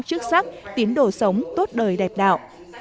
chức sắc tiến đồ sống tốt đời đẹp đạo